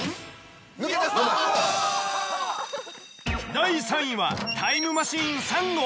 第３位はタイムマシーン３号。